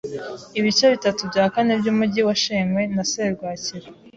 Ibice bitatu bya kane byumujyi washenywe na serwakira.